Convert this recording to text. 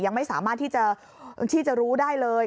ยังไม่สามารถที่จะรู้ได้เลย